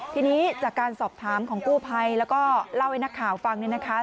ทีนี้จากการสอบถามของกู้ภัยแล้วก็เล่าให้นักข่าวฟังเนี่ยนะคะ